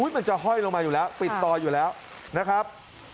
มันจะห้อยลงมาอยู่แล้วปิดต่ออยู่แล้วนะครับ